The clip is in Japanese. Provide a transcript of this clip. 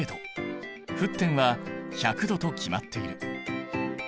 沸点は１００℃と決まっている。